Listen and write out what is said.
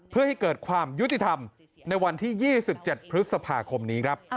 เพื่อให้เกิดความยุติธรรมในวันที่๒๗พฤษภาคมนี้ครับ